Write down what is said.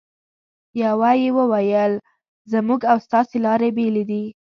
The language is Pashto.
یوه یې وویل: زموږ او ستاسې لارې بېلې دي.